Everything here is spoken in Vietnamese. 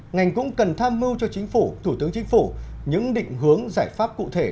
ngành cũng cần tham mưu cho chính phủ thủ tướng chính phủ những định hướng giải pháp cụ thể